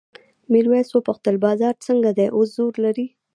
میرويس وپوښتل بازار څنګه دی اوس زور لري؟